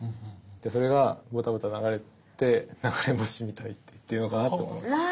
それがボタボタ流れて流れ星みたいって言ってるのかなと思いました。